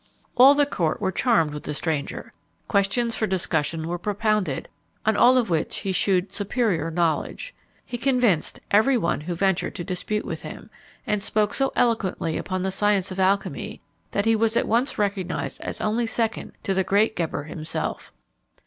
All the court were charmed with the stranger. Questions for discussion were propounded, on all of which he shewed superior knowledge. He convinced every one who ventured to dispute with him; and spoke so eloquently upon the science of alchymy, that he was at once recognised as only second to the great Geber himself.